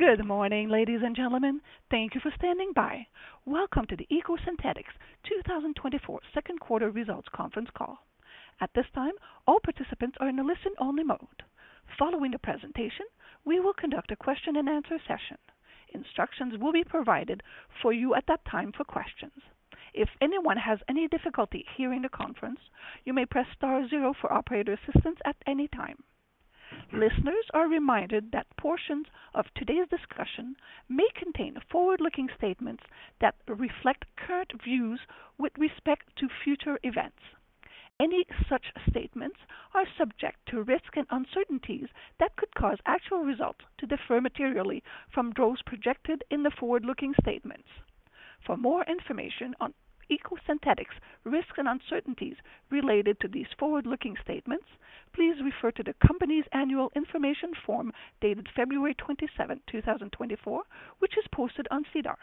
Good morning, ladies and gentlemen. Thank you for standing by. Welcome to the EcoSynthetix 2024 second quarter results conference call. At this time, all participants are in a listen-only mode. Following the presentation, we will conduct a question-and-answer session. Instructions will be provided for you at that time for questions. If anyone has any difficulty hearing the conference, you may press star zero for operator assistance at any time. Listeners are reminded that portions of today's discussion may contain forward-looking statements that reflect current views with respect to future events. Any such statements are subject to risks and uncertainties that could cause actual results to differ materially from those projected in the forward-looking statements. For more information on EcoSynthetix risks and uncertainties related to these forward-looking statements, please refer to the company's annual information form dated February 27, 2024, which is posted on SEDAR.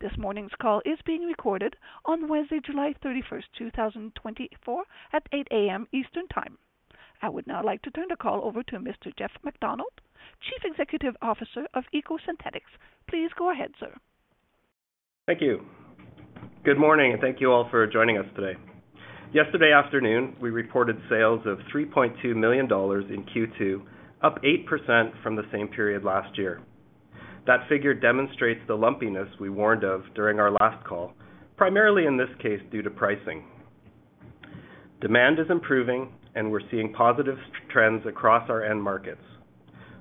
This morning's call is being recorded on Wednesday, July 31, 2024, at 8:00 A.M. Eastern Time. I would now like to turn the call over to Mr. Jeff MacDonald, Chief Executive Officer of EcoSynthetix. Please go ahead, sir. Thank you. Good morning, and thank you all for joining us today. Yesterday afternoon, we reported sales of $3.2 million in Q2, up 8% from the same period last year. That figure demonstrates the lumpiness we warned of during our last call, primarily in this case, due to pricing. Demand is improving, and we're seeing positive trends across our end markets.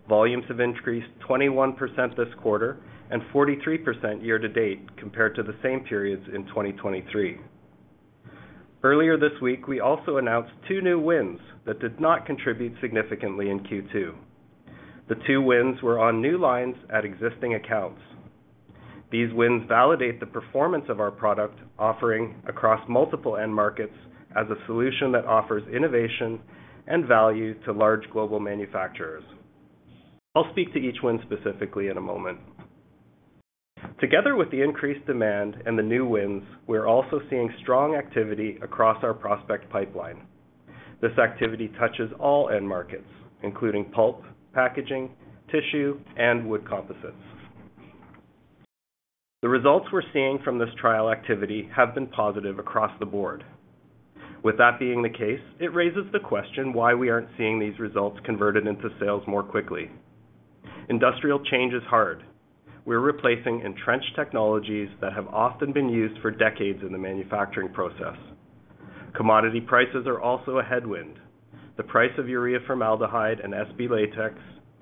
Volumes have increased 21% this quarter and 43% year to date compared to the same periods in 2023. Earlier this week, we also announced two new wins that did not contribute significantly in Q2. The two wins were on new lines at existing accounts. These wins validate the performance of our product offering across multiple end markets as a solution that offers innovation and value to large global manufacturers. I'll speak to each one specifically in a moment. Together with the increased demand and the new wins, we're also seeing strong activity across our prospect pipeline. This activity touches all end markets, including pulp, packaging, tissue, and wood composites. The results we're seeing from this trial activity have been positive across the board. With that being the case, it raises the question why we aren't seeing these results converted into sales more quickly. Industrial change is hard. We're replacing entrenched technologies that have often been used for decades in the manufacturing process. Commodity prices are also a headwind. The price of urea formaldehyde and SB latex,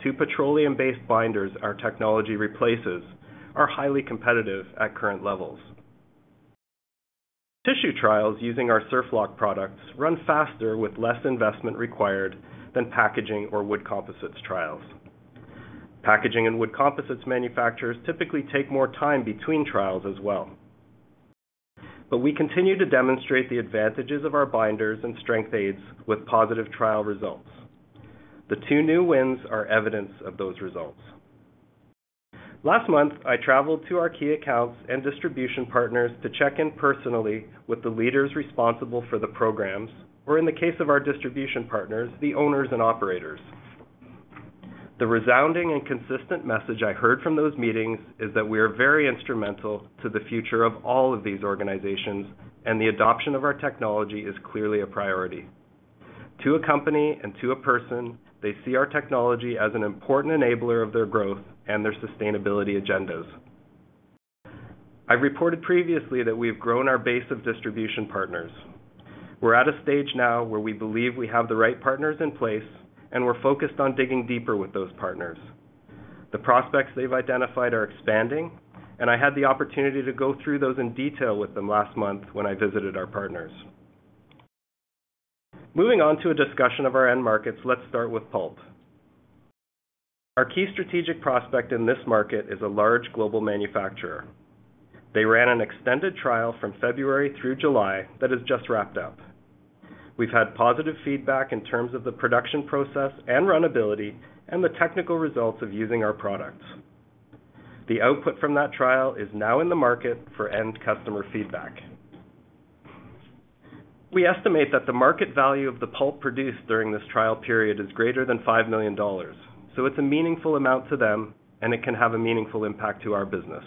two petroleum-based binders our technology replaces, are highly competitive at current levels. Tissue trials using our Surflock products run faster with less investment required than packaging or wood composites trials. Packaging and wood composites manufacturers typically take more time between trials as well. But we continue to demonstrate the advantages of our binders and strength aids with positive trial results. The two new wins are evidence of those results. Last month, I traveled to our key accounts and distribution partners to check in personally with the leaders responsible for the programs, or in the case of our distribution partners, the owners and operators. The resounding and consistent message I heard from those meetings is that we are very instrumental to the future of all of these organizations, and the adoption of our technology is clearly a priority. To a company and to a person, they see our technology as an important enabler of their growth and their sustainability agendas. I've reported previously that we have grown our base of distribution partners. We're at a stage now where we believe we have the right partners in place, and we're focused on digging deeper with those partners. The prospects they've identified are expanding, and I had the opportunity to go through those in detail with them last month when I visited our partners. Moving on to a discussion of our end markets, let's start with pulp. Our key strategic prospect in this market is a large global manufacturer. They ran an extended trial from February through July that has just wrapped up. We've had positive feedback in terms of the production process and runnability and the technical results of using our products. The output from that trial is now in the market for end customer feedback. We estimate that the market value of the pulp produced during this trial period is greater than $5 million, so it's a meaningful amount to them, and it can have a meaningful impact to our business.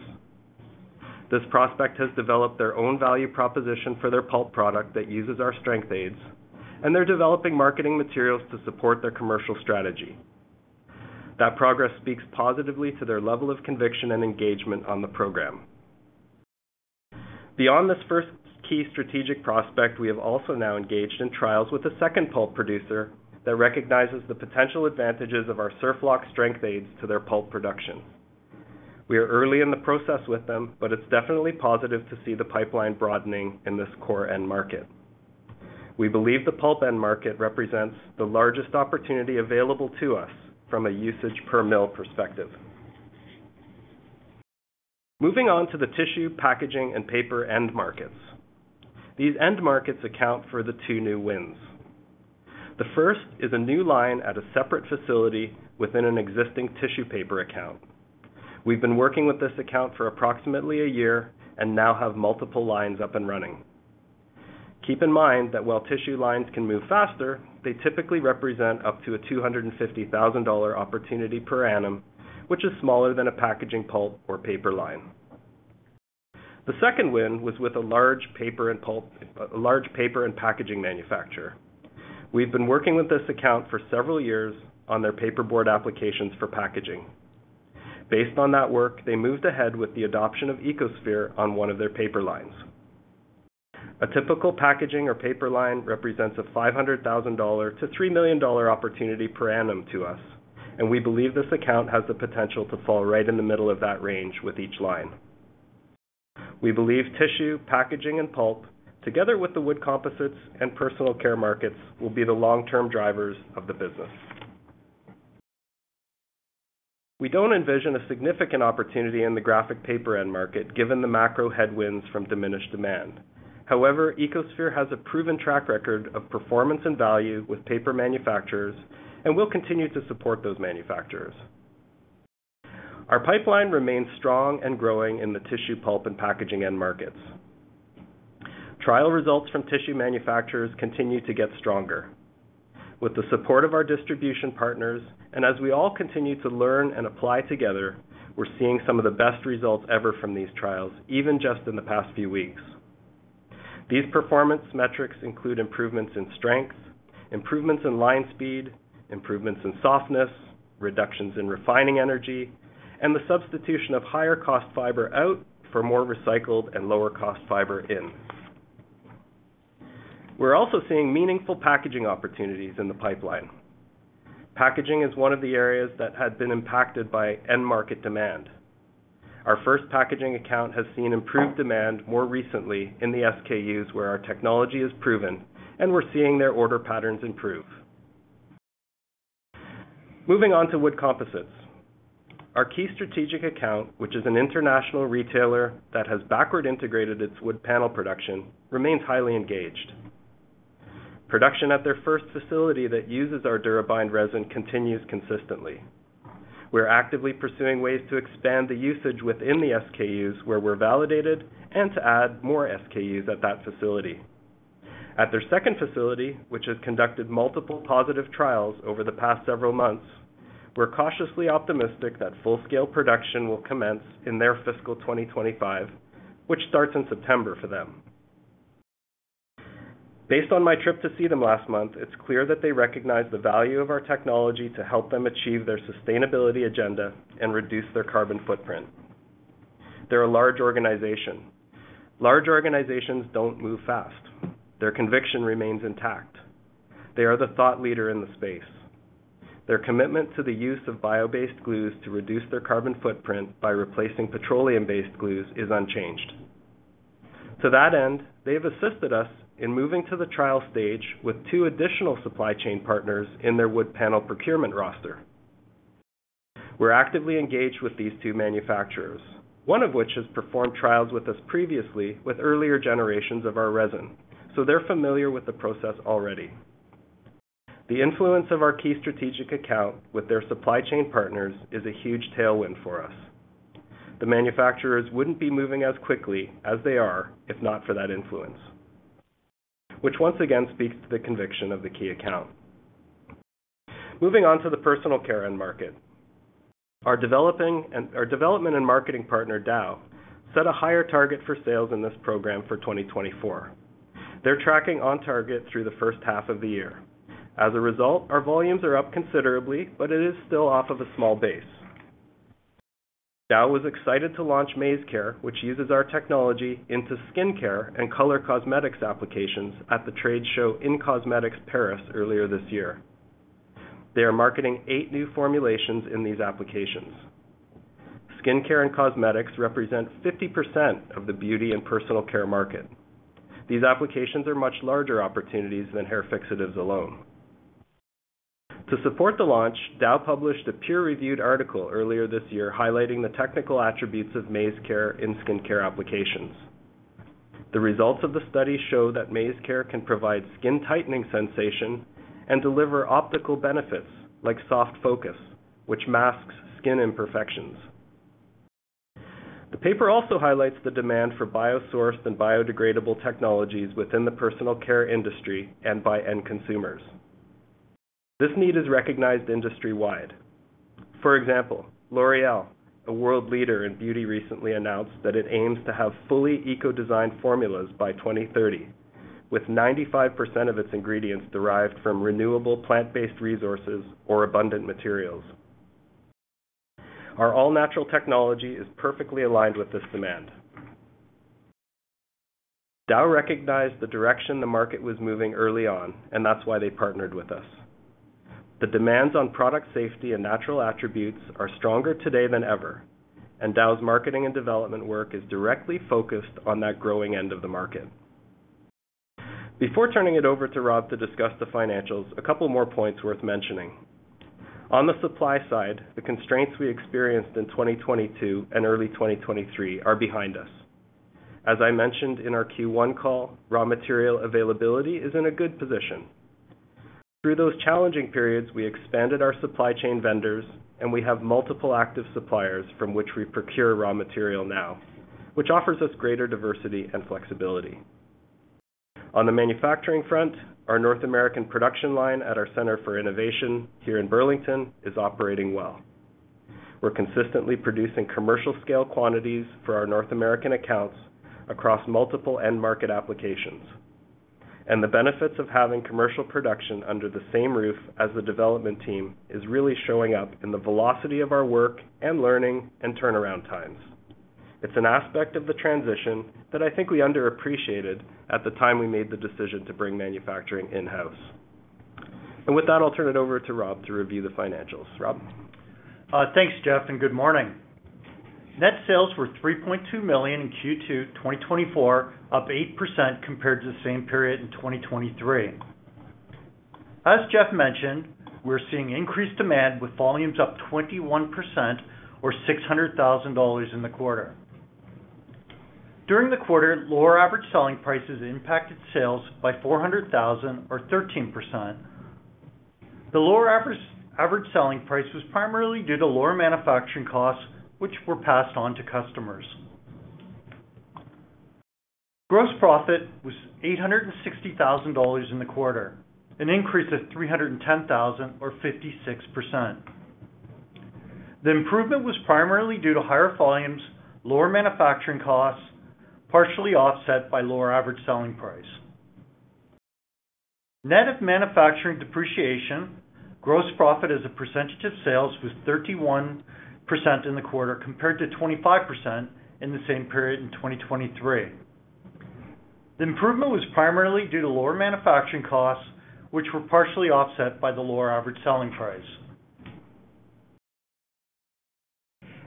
This prospect has developed their own value proposition for their pulp product that uses our strength aids, and they're developing marketing materials to support their commercial strategy. That progress speaks positively to their level of conviction and engagement on the program. Beyond this first key strategic prospect, we have also now engaged in trials with a second pulp producer that recognizes the potential advantages of our Surflock strength aids to their pulp production. We are early in the process with them, but it's definitely positive to see the pipeline broadening in this core end market. We believe the pulp end market represents the largest opportunity available to us from a usage per mill perspective. Moving on to the tissue, packaging, and paper end markets. These end markets account for the two new wins. The first is a new line at a separate facility within an existing tissue paper account. We've been working with this account for approximately a year and now have multiple lines up and running. Keep in mind that while tissue lines can move faster, they typically represent up to a $250,000 opportunity per annum, which is smaller than a packaging pulp or paper line. The second win was with a large paper and packaging manufacturer. We've been working with this account for several years on their paperboard applications for packaging. Based on that work, they moved ahead with the adoption of EcoSphere on one of their paper lines. A typical packaging or paper line represents a $500,000-$3 million opportunity per annum to us, and we believe this account has the potential to fall right in the middle of that range with each line. We believe tissue, packaging, and pulp, together with the wood composites and personal care markets, will be the long-term drivers of the business. We don't envision a significant opportunity in the graphic paper end market, given the macro headwinds from diminished demand. However, EcoSphere has a proven track record of performance and value with paper manufacturers, and we'll continue to support those manufacturers. Our pipeline remains strong and growing in the tissue, pulp, and packaging end markets. Trial results from tissue manufacturers continue to get stronger. With the support of our distribution partners, and as we all continue to learn and apply together, we're seeing some of the best results ever from these trials, even just in the past few weeks. These performance metrics include improvements in strength, improvements in line speed, improvements in softness, reductions in refining energy, and the substitution of higher cost fiber out for more recycled and lower cost fiber in. We're also seeing meaningful packaging opportunities in the pipeline. Packaging is one of the areas that had been impacted by end market demand. Our first packaging account has seen improved demand more recently in the SKUs where our technology is proven, and we're seeing their order patterns improve. Moving on to wood composites. Our key strategic account, which is an international retailer that has backward integrated its wood panel production, remains highly engaged. Production at their first facility that uses our DuraBind resin continues consistently. We're actively pursuing ways to expand the usage within the SKUs, where we're validated, and to add more SKUs at that facility. At their second facility, which has conducted multiple positive trials over the past several months, we're cautiously optimistic that full-scale production will commence in their fiscal 2025, which starts in September for them. Based on my trip to see them last month, it's clear that they recognize the value of our technology to help them achieve their sustainability agenda and reduce their carbon footprint. They're a large organization. Large organizations don't move fast. Their conviction remains intact. They are the thought leader in the space. Their commitment to the use of bio-based glues to reduce their carbon footprint by replacing petroleum-based glues is unchanged. To that end, they've assisted us in moving to the trial stage with two additional supply chain partners in their wood panel procurement roster. We're actively engaged with these two manufacturers, one of which has performed trials with us previously with earlier generations of our resin, so they're familiar with the process already. The influence of our key strategic account with their supply chain partners is a huge tailwind for us. The manufacturers wouldn't be moving as quickly as they are if not for that influence, which once again speaks to the conviction of the key account. Moving on to the personal care end market. Our development and marketing partner, Dow, set a higher target for sales in this program for 2024. They're tracking on target through the first half of the year. As a result, our volumes are up considerably, but it is still off of a small base. Dow was excited to launch MaizeCare, which uses our technology into skincare and color cosmetics applications at the trade show in in-cosmetics Paris earlier this year. They are marketing eight new formulations in these applications. Skincare and cosmetics represent 50% of the beauty and personal care market. These applications are much larger opportunities than hair fixatives alone. To support the launch, Dow published a peer-reviewed article earlier this year, highlighting the technical attributes of MaizeCare in skincare applications. The results of the study show that MaizeCare can provide skin tightening sensation and deliver optical benefits, like soft focus, which masks skin imperfections. The paper also highlights the demand for biosourced and biodegradable technologies within the personal care industry and by end consumers. This need is recognized industry-wide. For example, L'Oréal, a world leader in beauty, recently announced that it aims to have fully eco-designed formulas by 2030, with 95% of its ingredients derived from renewable plant-based resources or abundant materials. Our all-natural technology is perfectly aligned with this demand. Dow recognized the direction the market was moving early on, and that's why they partnered with us. The demands on product safety and natural attributes are stronger today than ever, and Dow's marketing and development work is directly focused on that growing end of the market. Before turning it over to Rob to discuss the financials, a couple more points worth mentioning. On the supply side, the constraints we experienced in 2022 and early 2023 are behind us. As I mentioned in our Q1 call, raw material availability is in a good position. Through those challenging periods, we expanded our supply chain vendors, and we have multiple active suppliers from which we procure raw material now, which offers us greater diversity and flexibility. On the manufacturing front, our North American production line at our Centre for Innovation here in Burlington is operating well. We're consistently producing commercial scale quantities for our North American accounts across multiple end market applications, and the benefits of having commercial production under the same roof as the development team is really showing up in the velocity of our work and learning and turnaround times. It's an aspect of the transition that I think we underappreciated at the time we made the decision to bring manufacturing in-house. And with that, I'll turn it over to Rob to review the financials. Rob? Thanks, Jeff, and good morning. Net sales were $3.2 million in Q2 2024, up 8% compared to the same period in 2023. As Jeff mentioned, we're seeing increased demand, with volumes up 21% or $600,000 in the quarter. During the quarter, lower average selling prices impacted sales by $400,000 or 13%. The lower average selling price was primarily due to lower manufacturing costs, which were passed on to customers. Gross profit was $860,000 in the quarter, an increase of $310,000, or 56%. The improvement was primarily due to higher volumes, lower manufacturing costs, partially offset by lower average selling price. Net of manufacturing depreciation, gross profit as a percentage of sales was 31% in the quarter, compared to 25% in the same period in 2023. The improvement was primarily due to lower manufacturing costs, which were partially offset by the lower average selling price.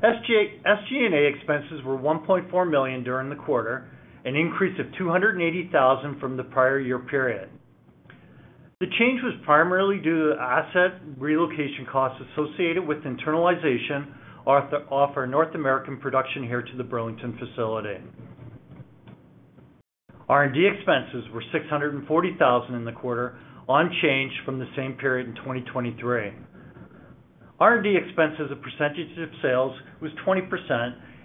SG&A expenses were $1.4 million during the quarter, an increase of $280,000 from the prior year period. The change was primarily due to asset relocation costs associated with internalization of our North American production here to the Burlington facility. R&D expenses were $640,000 in the quarter, no change from the same period in 2023. R&D expenses as a percentage of sales was 20%,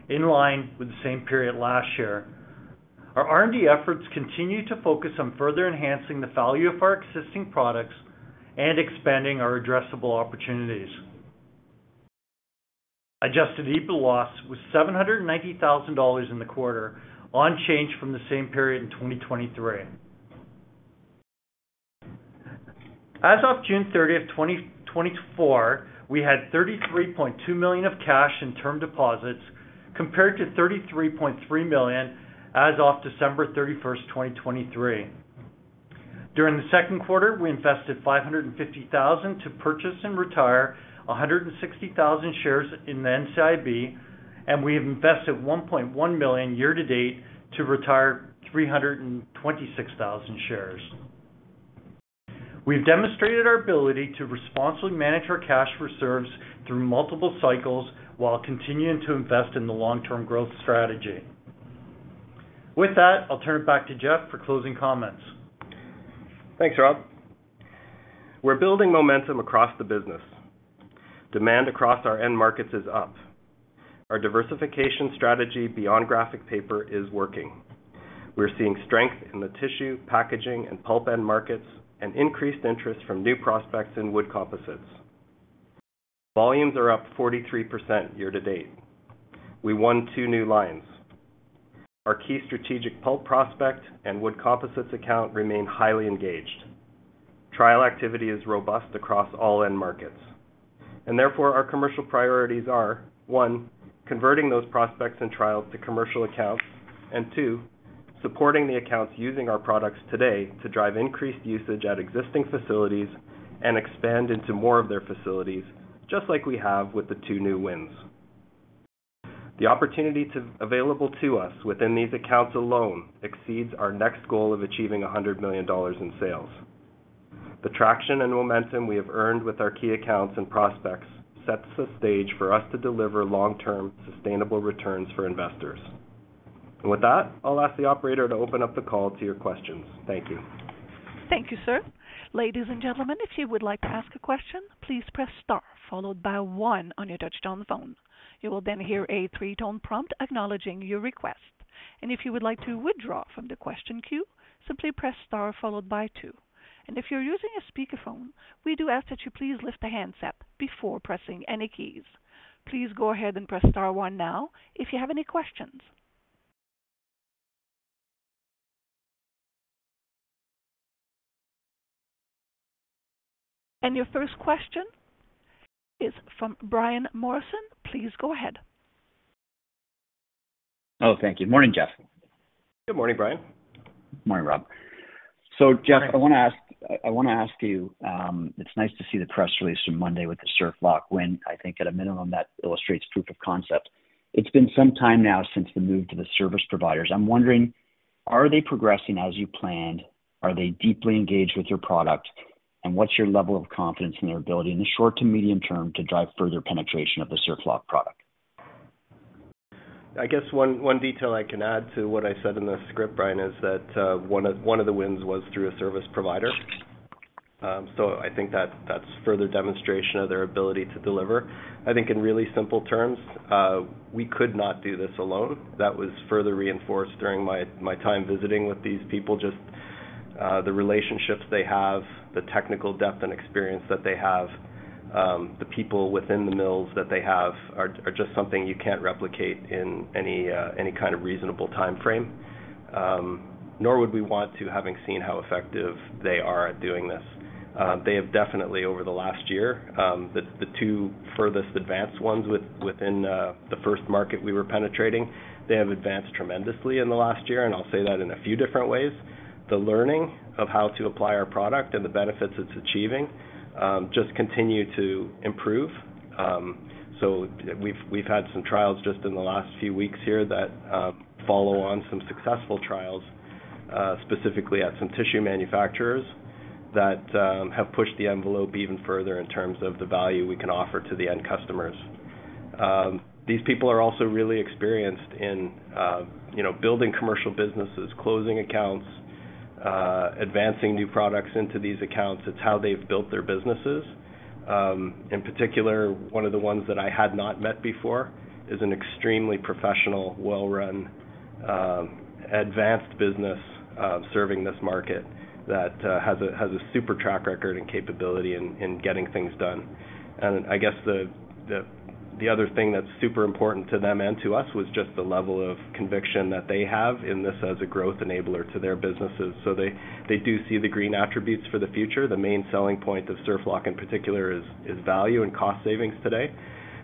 in line with the same period last year. Our R&D efforts continue to focus on further enhancing the value of our existing products and expanding our addressable opportunities. Adjusted EBITDA loss was $790,000 in the quarter, no change from the same period in 2023. As of June 30, 2024, we had $33.2 million of cash and term deposits, compared to $33.3 million as of December 31, 2023. During the second quarter, we invested $550,000 to purchase and retire 160,000 shares in the NCIB, and we have invested $1.1 million year-to-date to retire 326,000 shares. We've demonstrated our ability to responsibly manage our cash reserves through multiple cycles while continuing to invest in the long-term growth strategy. With that, I'll turn it back to Jeff for closing comments. Thanks, Rob. We're building momentum across the business. Demand across our end markets is up. Our diversification strategy beyond graphic paper is working. We're seeing strength in the tissue, packaging, and pulp end markets, and increased interest from new prospects in wood composites. Volumes are up 43% year to date. We won two new lines. Our key strategic pulp prospect and wood composites account remain highly engaged. Trial activity is robust across all end markets, and therefore, our commercial priorities are: one, converting those prospects and trials to commercial accounts, and two, supporting the accounts using our products today to drive increased usage at existing facilities and expand into more of their facilities, just like we have with the two new wins. The opportunity available to us within these accounts alone exceeds our next goal of achieving $100 million in sales. The traction and momentum we have earned with our key accounts and prospects sets the stage for us to deliver long-term, sustainable returns for investors. With that, I'll ask the operator to open up the call to your questions. Thank you. Thank you, sir. Ladies and gentlemen, if you would like to ask a question, please press star followed by one on your touch-tone phone. You will then hear a three-tone prompt acknowledging your request, and if you would like to withdraw from the question queue, simply press star followed by two. And if you're using a speakerphone, we do ask that you please lift the handset before pressing any keys. Please go ahead and press star one now if you have any questions. And your first question is from Brian Morrison. Please go ahead. Oh, thank you. Morning, Jeff. Good morning, Brian. Morning, Rob. So Jeff, I want to ask you, it's nice to see the press release from Monday with the Surflock win. I think at a minimum, that illustrates proof of concept. It's been some time now since the move to the service providers. I'm wondering, are they progressing as you planned? Are they deeply engaged with your product? And what's your level of confidence in their ability in the short to medium term to drive further penetration of the Surflock product? I guess one detail I can add to what I said in the script, Brian, is that one of the wins was through a service provider. So I think that's further demonstration of their ability to deliver. I think in really simple terms, we could not do this alone. That was further reinforced during my time visiting with these people, just the relationships they have, the technical depth and experience that they have, the people within the mills that they have are just something you can't replicate in any kind of reasonable time frame. Nor would we want to, having seen how effective they are at doing this. They have definitely, over the last year, the two furthest advanced ones within the first market we were penetrating, they have advanced tremendously in the last year, and I'll say that in a few different ways. The learning of how to apply our product and the benefits it's achieving just continue to improve. So we've had some trials just in the last few weeks here that follow on some successful trials, specifically at some tissue manufacturers, that have pushed the envelope even further in terms of the value we can offer to the end customers. These people are also really experienced in, you know, building commercial businesses, closing accounts, advancing new products into these accounts. It's how they've built their businesses. In particular, one of the ones that I had not met before is an extremely professional, well-run, advanced business serving this market that has a super track record and capability in getting things done. And I guess the other thing that's super important to them and to us was just the level of conviction that they have in this as a growth enabler to their businesses. So they do see the green attributes for the future. The main selling point of SurfLock, in particular, is value and cost savings today.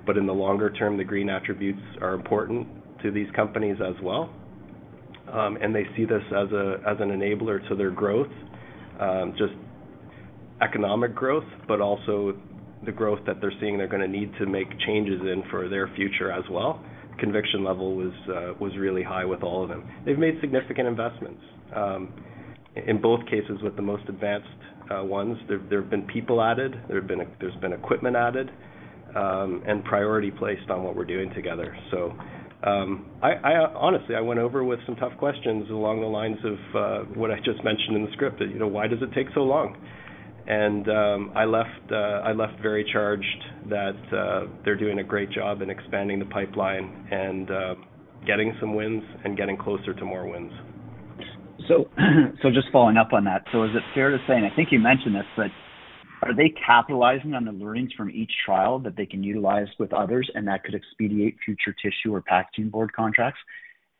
But in the longer term, the green attributes are important to these companies as well. And they see this as an enabler to their growth, just economic growth, but also the growth that they're seeing they're gonna need to make changes in for their future as well. Conviction level was really high with all of them. They've made significant investments. In both cases, with the most advanced ones, there have been people added, there's been equipment added, and priority placed on what we're doing together. Honestly, I went over with some tough questions along the lines of what I just mentioned in the script, that, you know, why does it take so long? I left very charged that they're doing a great job in expanding the pipeline and getting some wins and getting closer to more wins. So, so just following up on that. So is it fair to say, and I think you mentioned this, but are they capitalizing on the learnings from each trial that they can utilize with others, and that could expedite future tissue or packaging board contracts?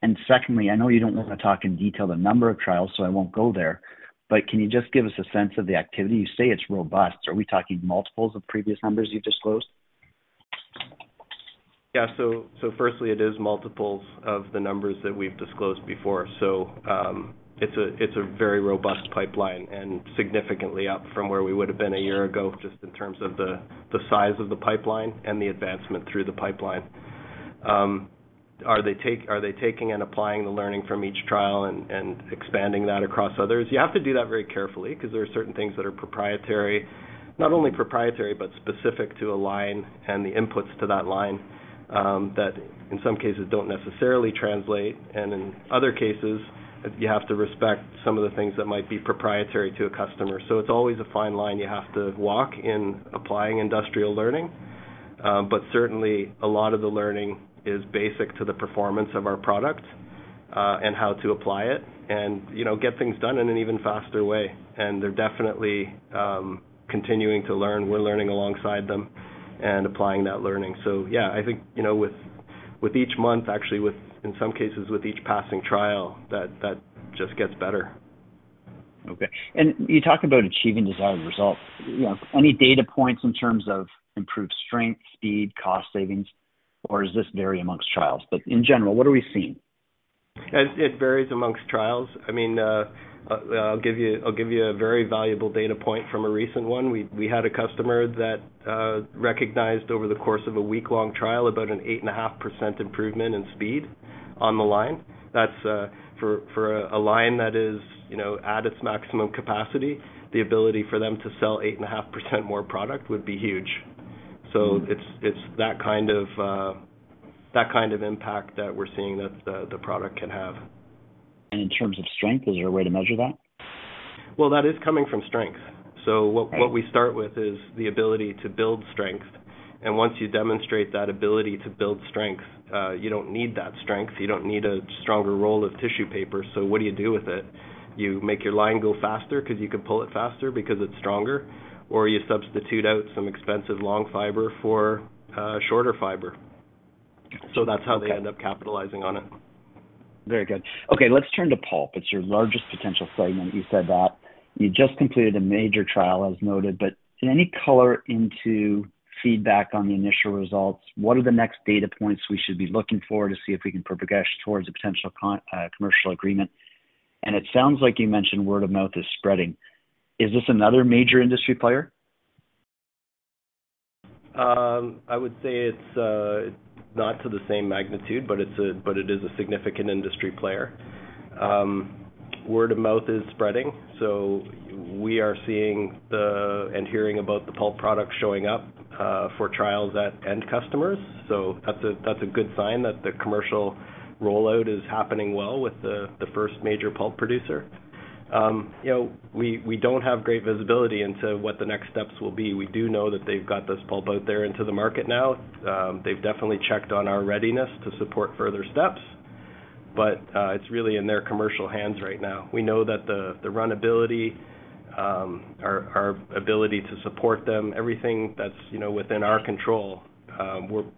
And secondly, I know you don't want to talk in detail the number of trials, so I won't go there, but can you just give us a sense of the activity? You say it's robust. Are we talking multiples of previous numbers you've disclosed? Yeah. So firstly, it is multiples of the numbers that we've disclosed before. So it's a very robust pipeline and significantly up from where we would have been a year ago, just in terms of the size of the pipeline and the advancement through the pipeline. Are they taking and applying the learning from each trial and expanding that across others? You have to do that very carefully because there are certain things that are proprietary, not only proprietary, but specific to a line and the inputs to that line, that in some cases don't necessarily translate, and in other cases, you have to respect some of the things that might be proprietary to a customer. So it's always a fine line you have to walk in applying industrial learning. But certainly, a lot of the learning is basic to the performance of our product, and how to apply it and, you know, get things done in an even faster way. And they're definitely continuing to learn. We're learning alongside them and applying that learning. So yeah, I think, you know, with each month, actually, in some cases, with each passing trial, that just gets better. Okay. You talk about achieving desired results. You know, any data points in terms of improved strength, speed, cost savings, or does this vary among trials? In general, what are we seeing? It varies amongst trials. I mean, I'll give you, I'll give you a very valuable data point from a recent one. We had a customer that recognized over the course of a week-long trial about an 8.5% improvement in speed on the line. That's for a line that is, you know, at its maximum capacity, the ability for them to sell 8.5% more product would be huge. So it's that kind of impact that we're seeing that the product can have. In terms of strength, is there a way to measure that? Well, that is coming from strength. Right. So what we start with is the ability to build strength, and once you demonstrate that ability to build strength, you don't need that strength, you don't need a stronger roll of tissue paper. So what do you do with it? You make your line go faster because you can pull it faster because it's stronger, or you substitute out some expensive long fiber for shorter fiber. Okay. So that's how they end up capitalizing on it. Very good. Okay, let's turn to pulp. It's your largest potential segment, you said that. You just completed a major trial, as noted, but any color into feedback on the initial results? What are the next data points we should be looking for to see if we can progress towards a potential commercial agreement? It sounds like you mentioned word of mouth is spreading. Is this another major industry player? I would say it's not to the same magnitude, but it is a significant industry player. Word of mouth is spreading, so we are seeing and hearing about the pulp product showing up for trials at end customers. So that's a good sign that the commercial rollout is happening well with the first major pulp producer. You know, we don't have great visibility into what the next steps will be. We do know that they've got this pulp out there into the market now. They've definitely checked on our readiness to support further steps, but it's really in their commercial hands right now. We know that the runnability, our ability to support them, everything that's, you know, within our control,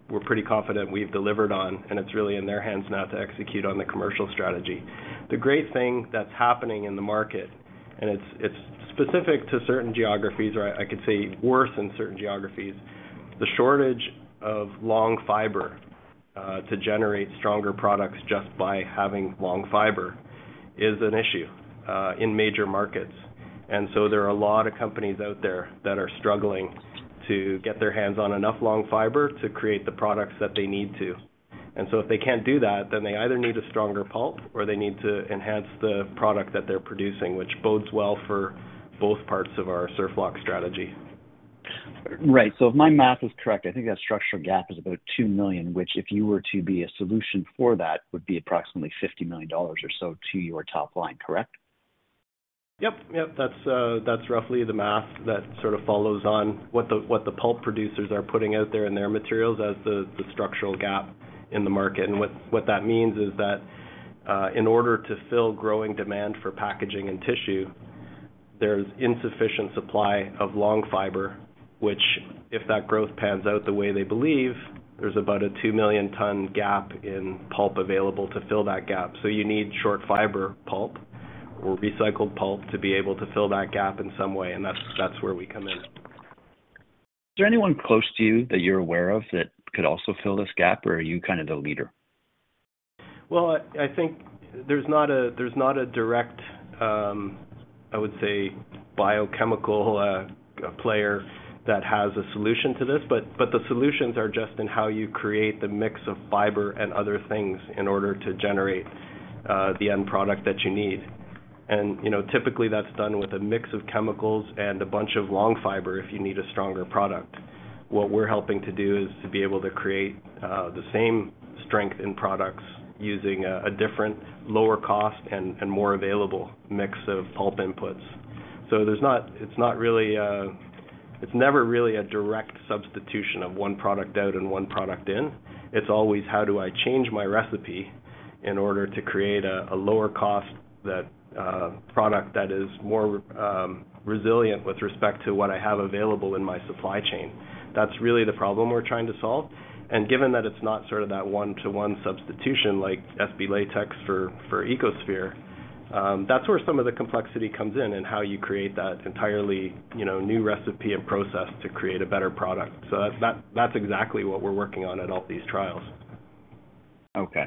we're pretty confident we've delivered on, and it's really in their hands now to execute on the commercial strategy. The great thing that's happening in the market, and it's specific to certain geographies, or I could say, worse in certain geographies, the shortage of long fiber to generate stronger products just by having long fiber, is an issue in major markets. And so there are a lot of companies out there that are struggling to get their hands on enough long fiber to create the products that they need to. And so if they can't do that, then they either need a stronger pulp or they need to enhance the product that they're producing, which bodes well for both parts of our SurfLock strategy. Right. So if my math is correct, I think that structural gap is about 2 million, which, if you were to be a solution for that, would be approximately $50 million or so to your top line, correct? Yep. Yep. That's roughly the math that sort of follows on what the pulp producers are putting out there in their materials as the structural gap in the market. And what that means is that in order to fill growing demand for packaging and tissue, there's insufficient supply of long fiber, which, if that growth pans out the way they believe, there's about a 2 million ton gap in pulp available to fill that gap. So you need short fiber pulp or recycled pulp to be able to fill that gap in some way, and that's where we come in. Is there anyone close to you that you're aware of that could also fill this gap, or are you kind of the leader? Well, I think there's not a direct, I would say, biochemical player that has a solution to this, but the solutions are just in how you create the mix of fiber and other things in order to generate the end product that you need. And, you know, typically that's done with a mix of chemicals and a bunch of long fiber if you need a stronger product. What we're helping to do is to be able to create the same strength in products using a different, lower cost and more available mix of pulp inputs. So there's not—it's not really. It's never really a direct substitution of one product out and one product in. It's always, how do I change my recipe in order to create a, a lower cost that product that is more resilient with respect to what I have available in my supply chain? That's really the problem we're trying to solve. And given that it's not sort of that one-to-one substitution like SB latex for, for EcoSphere, that's where some of the complexity comes in and how you create that entirely, you know, new recipe and process to create a better product. So that's, that's exactly what we're working on in all these trials. Okay.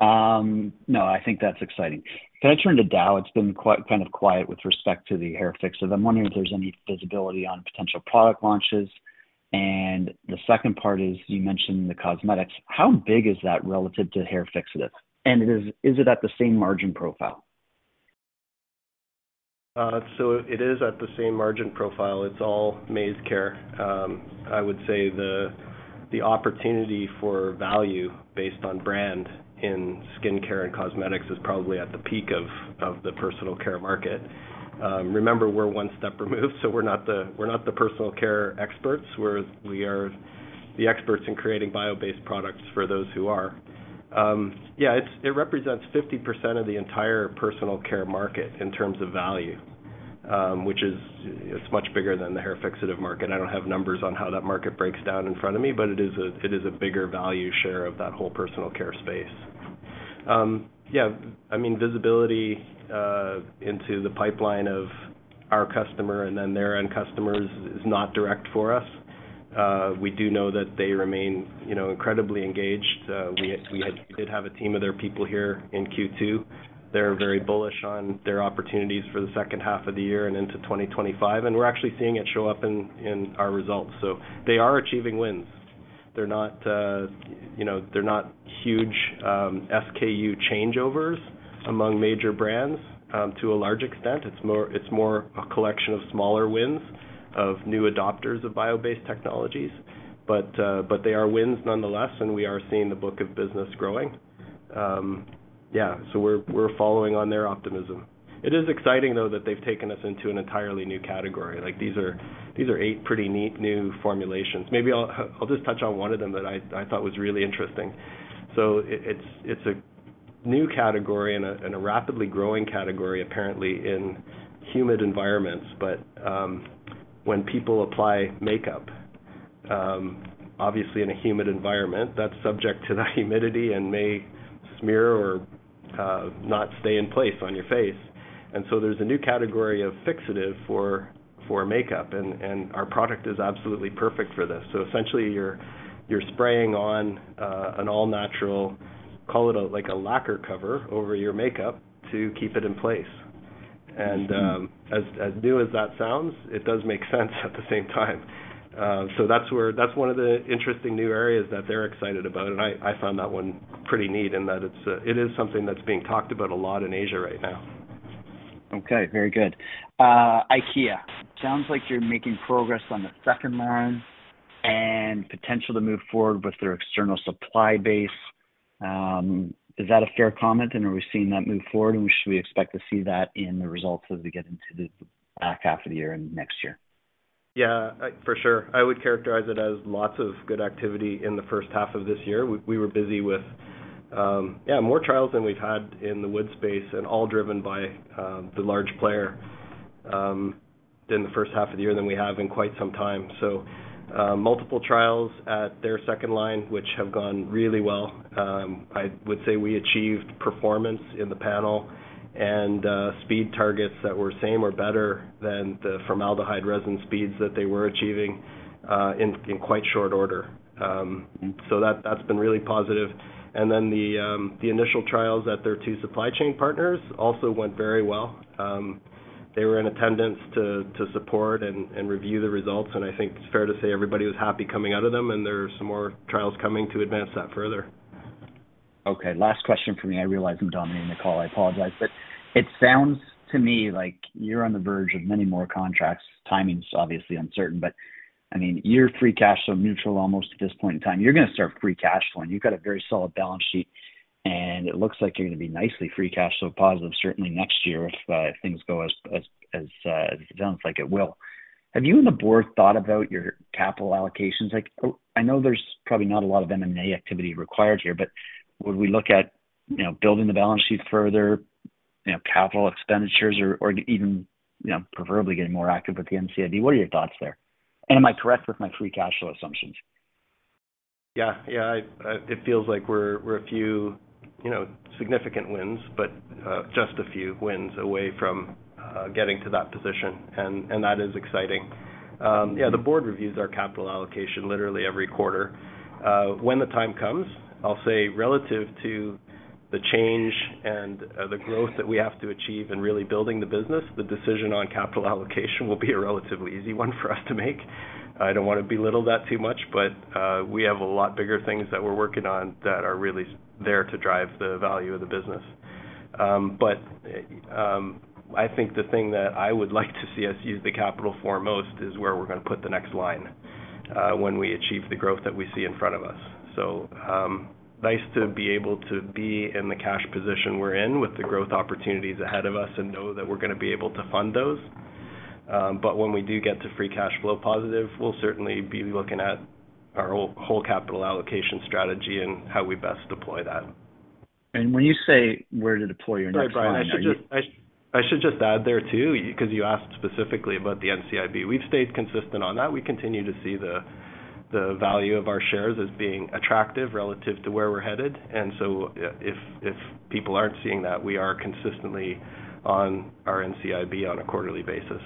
No, I think that's exciting. Can I turn to Dow? It's been kind of quiet with respect to the hair fixatives. I'm wondering if there's any visibility on potential product launches. And the second part is, you mentioned the cosmetics. How big is that relative to hair fixatives? And is it at the same margin profile? So it is at the same margin profile. It's all MaizeCare. I would say the opportunity for value based on brand in skincare and cosmetics is probably at the peak of the personal care market. Remember, we're one step removed, so we're not the personal care experts, we're not the personal care experts, we are the experts in creating bio-based products for those who are. Yeah, it represents 50% of the entire personal care market in terms of value, which is much bigger than the hair fixative market. I don't have numbers on how that market breaks down in front of me, but it is a bigger value share of that whole personal care space. Yeah, I mean, visibility into the pipeline of our customer and then their end customers is not direct for us. We do know that they remain, you know, incredibly engaged. We did have a team of their people here in Q2. They're very bullish on their opportunities for the second half of the year and into 2025, and we're actually seeing it show up in our results. So they are achieving wins. They're not, you know, they're not huge SKU changeovers among major brands to a large extent. It's more a collection of smaller wins of new adopters of bio-based technologies. But they are wins nonetheless, and we are seeing the book of business growing. Yeah, so we're following on their optimism. It is exciting, though, that they've taken us into an entirely new category. Like, these are eight pretty neat new formulations. Maybe I'll just touch on one of them that I thought was really interesting. So it's a new category and a rapidly growing category, apparently, in humid environments. But when people apply makeup, obviously in a humid environment, that's subject to the humidity and may smear or not stay in place on your face. And so there's a new category of fixative for makeup, and our product is absolutely perfect for this. So essentially, you're spraying on an all-natural, call it a, like a lacquer cover over your makeup to keep it in place. And as new as that sounds, it does make sense at the same time. So that's one of the interesting new areas that they're excited about, and I find that one pretty neat, and that it's something that's being talked about a lot in Asia right now. Okay, very good. IKEA, sounds like you're making progress on the second line and potential to move forward with their external supply base. Is that a fair comment, and are we seeing that move forward, and should we expect to see that in the results as we get into the back half of the year and next year? Yeah. For sure. I would characterize it as lots of good activity in the first half of this year. We were busy with yeah, more trials than we've had in the wood space, and all driven by the large player in the first half of the year than we have in quite some time. So, multiple trials at their second line, which have gone really well. I would say we achieved performance in the panel and speed targets that were same or better than the formaldehyde resin speeds that they were achieving in quite short order. So that's been really positive. And then the initial trials at their two supply chain partners also went very well. They were in attendance to support and review the results, and I think it's fair to say everybody was happy coming out of them, and there are some more trials coming to advance that further. Okay, last question for me. I realize I'm dominating the call, I apologize. But it sounds to me like you're on the verge of many more contracts. Timing's obviously uncertain, but, I mean, you're free cash flow neutral almost at this point in time. You're gonna start free cash flowing. You've got a very solid balance sheet, and it looks like you're gonna be nicely free cash flow positive, certainly next year, if things go as it sounds like it will. Have you and the board thought about your capital allocations? Like, I know there's probably not a lot of M&A activity required here, but would we look at, you know, building the balance sheet further, you know, capital expenditures or even, you know, preferably getting more active with the NCIB? What are your thoughts there? Am I correct with my free cash flow assumptions? Yeah. Yeah. It feels like we're a few, you know, significant wins, but just a few wins away from getting to that position, and that is exciting. Yeah, the board reviews our capital allocation literally every quarter. When the time comes, I'll say relative to the change and the growth that we have to achieve in really building the business, the decision on capital allocation will be a relatively easy one for us to make. I don't wanna belittle that too much, but we have a lot bigger things that we're working on that are really there to drive the value of the business. But, I think the thing that I would like to see us use the capital foremost is where we're gonna put the next line, when we achieve the growth that we see in front of us. So, nice to be able to be in the cash position we're in with the growth opportunities ahead of us and know that we're gonna be able to fund those. But when we do get to free cash flow positive, we'll certainly be looking at our whole, whole capital allocation strategy and how we best deploy that. When you say where to deploy your next line, I mean- Sorry, Brian, I should just add there, too, because you asked specifically about the NCIB. We've stayed consistent on that. We continue to see the value of our shares as being attractive relative to where we're headed. And so if people aren't seeing that, we are consistently on our NCIB on a quarterly basis.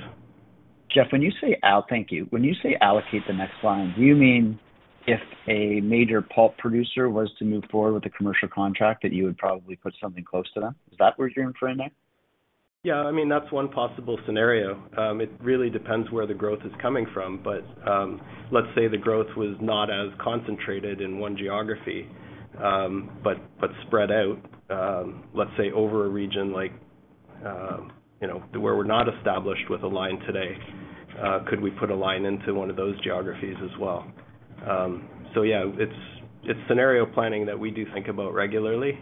Jeff, when you say allocate the next line, do you mean if a major pulp producer was to move forward with a commercial contract, that you would probably put something close to them? Is that what you're implying there? Yeah. I mean, that's one possible scenario. It really depends where the growth is coming from. But, let's say the growth was not as concentrated in one geography, but, but spread out, let's say, over a region like, you know, where we're not established with a line today, could we put a line into one of those geographies as well? So yeah, it's, it's scenario planning that we do think about regularly.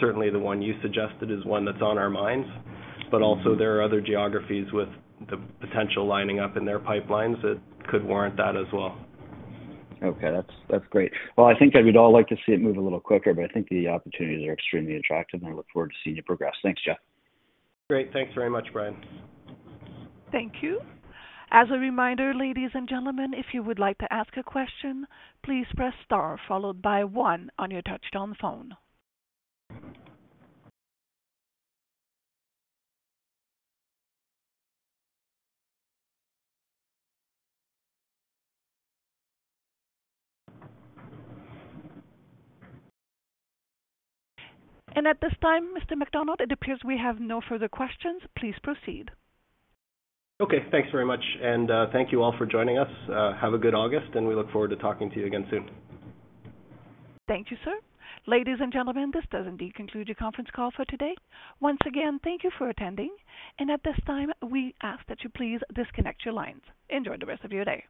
Certainly, the one you suggested is one that's on our minds, but also there are other geographies with the potential lining up in their pipelines that could warrant that as well. Okay. That's, that's great. Well, I think we'd all like to see it move a little quicker, but I think the opportunities are extremely attractive, and I look forward to seeing you progress. Thanks, Jeff. Great. Thanks very much, Brian. Thank you. As a reminder, ladies and gentlemen, if you would like to ask a question, please press star followed by one on your touchtone phone. At this time, Mr. MacDonald, it appears we have no further questions. Please proceed. Okay. Thanks very much, and thank you all for joining us. Have a good August, and we look forward to talking to you again soon. Thank you, sir. Ladies and gentlemen, this does indeed conclude your conference call for today. Once again, thank you for attending, and at this time, we ask that you please disconnect your lines. Enjoy the rest of your day.